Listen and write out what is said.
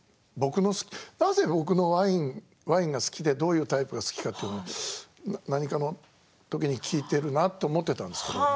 なぜ僕がワインが好きでどういうタイプが好きか何かのときに聞いているなと思っていたんです。